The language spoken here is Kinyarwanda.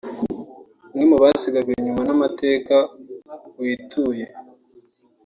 umwe mu basigajwe inyuma n’amateka wituye